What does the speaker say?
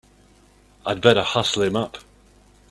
I'd better hustle him up!